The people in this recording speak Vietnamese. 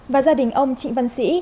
và gia đình ông trịnh văn sĩ